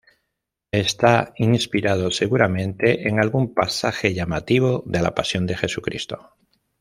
Está inspirado seguramente en algún pasaje llamativo de la pasión de Jesucristo.